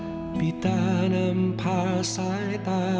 มีบีดามีองค์ราชาที่เรารักและศรัทธา